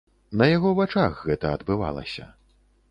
На яго вачах гэта адбывалася.